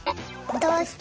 「どうして」